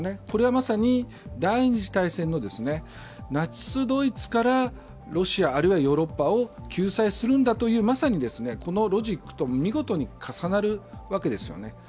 これはまさに第二次大戦のナチス・ドイツからロシアあるいはヨーロッパを救済するんだというこのロジックと見事に重なるわけですよね。